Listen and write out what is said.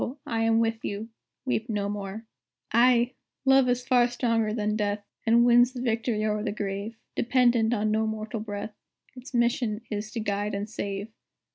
I am with you weep no more. "Ay! Love is stronger far than death, And wins the victory o'er the Grave; Dependent on no mortal breath, Its mission is to guide and save.